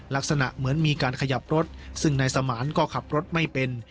ลักษณะเหมือนมีการขยับรถซึ่งนายสมานก็ขับรถไม่เป็น